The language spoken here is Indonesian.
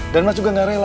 dan mas juga gak rela